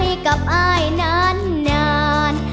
ไอ้กับไอ้นานนาน